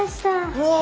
うわ！